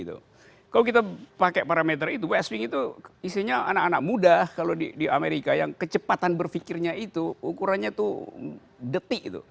kalau kita pakai parameter itu west wing itu isinya anak anak muda kalau di amerika yang kecepatan berpikirnya itu ukurannya itu detik gitu